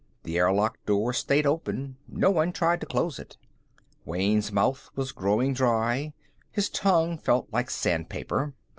The airlock door stayed open; no one tried to close it. Wayne's mouth was growing dry; his tongue felt like sandpaper.